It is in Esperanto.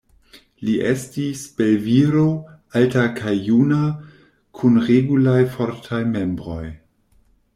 Li estis belviro, alta kaj juna, kun regulaj fortaj membroj.